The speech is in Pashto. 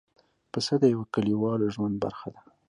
پسه د یوه کلیوالو ژوند برخه ده.